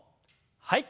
はい。